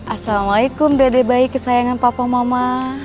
assalamualaikum dede bayi kesayangan papa mama